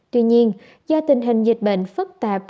tuy nhiên do tình hình dịch bệnh phức tạp